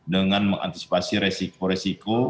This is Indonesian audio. dengan mengantisipasi resiko resiko